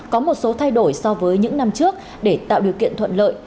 có một số thay đổi so với những năm trước để tạo điều kiện thuận lợi